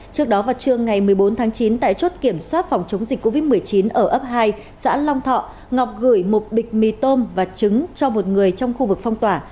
trước đó vào trưa ngày một mươi bốn tháng chín tại chốt kiểm soát phòng chống dịch covid một mươi chín ở ấp hai xã long thọ ngọc gửi một bịch mì tôm và trứng cho một người trong khu vực phong tỏa